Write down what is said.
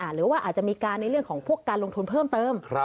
หรือว่าอาจจะมีการในเรื่องของพวกการลงทุนเพิ่มเติม